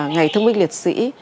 ngày thương bình liệt sĩ